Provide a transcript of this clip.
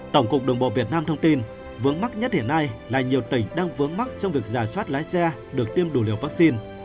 tổng cục đường bộ việt nam thông tin vướng mắc nhất hiện nay là nhiều tỉnh đang vướng mắt trong việc giả soát lái xe được tiêm đủ liều vaccine